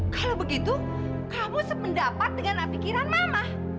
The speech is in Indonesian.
kalau begitu kamu sependapat dengan pikiran mama